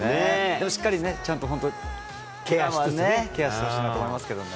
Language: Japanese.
でもしっかりね、ちゃんと本当ケアしてほしいなと思いますけどね。